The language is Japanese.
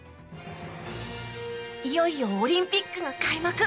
いよいよオリンピックが開幕！